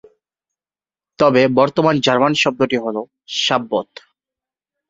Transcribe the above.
তবে, বর্তমান জার্মান শব্দটি হলো সাব্বত।